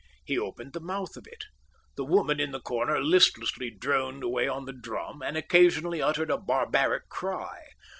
He opened the mouth of it. The woman in the corner listlessly droned away on the drum, and occasionally uttered a barbaric cry.